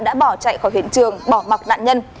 đã bỏ chạy khỏi hiện trường bỏ mặc nạn nhân